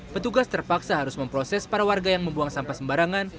petugas terpaksa harus memproses para warga yang membuang sampah sembarangan